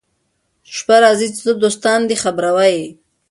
شپه راځي چي څه دوستان دي خبروه يې